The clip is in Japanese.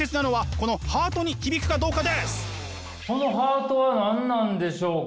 このハートは何なんでしょうか？